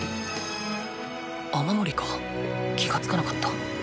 雨もりか気が付かなかった。